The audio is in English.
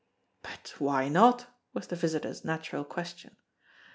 "But why not?" was the visitor's natural question.